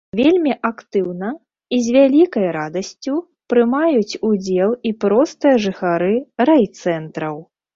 Вельмі актыўна і з вялікай радасцю прымаюць удзел і простыя жыхары райцэнтраў.